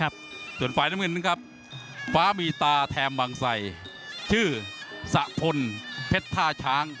ส่วนฝ่ายน้ำเงินนะครับฟ้ามีตาแถมบางไสชื่อสะพลเพชรท่าช้าง